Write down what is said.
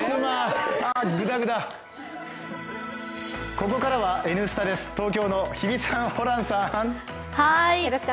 ここからは「Ｎスタ」です、東京の日比さん、ホランさん。